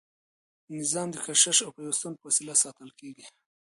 نظام د کشش او پیوستون په وسیله ساتل کیږي.